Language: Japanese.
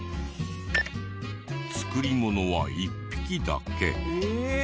作りものは１匹だけ。